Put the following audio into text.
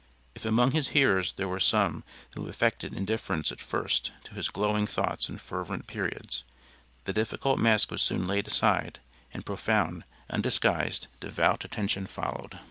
If among his hearers there were some who affected indifference at first to his glowing thoughts and fervant periods, the difficult mask was soon laid aside and profound, undisguised, devout attention followed.